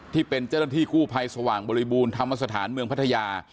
ที่เป็นเจ้าหน้าที่กู้ภัยสว่างบริบูรณ์ธรรมสถานเมืองพัทยา